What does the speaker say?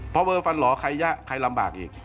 เพราะเวอร์ฟันหล่อใครยะใครลำบากอีก